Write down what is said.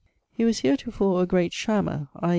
He was heretofore a great shammer, i.